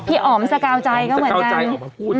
อ๋อมสกาวใจก็เหมือนกัน